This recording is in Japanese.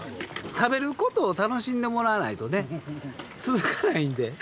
食べることを楽しんでもらわないとね、続かないんで。